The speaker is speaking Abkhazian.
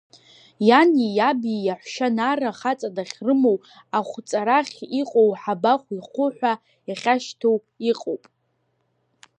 Иани иаби, иаҳәшьа Нара хаҵа дахьрымоу, Ахәҵарахь иҟоу Ҳабахә ихәы ҳәа иахьашьҭоу иҟоуп.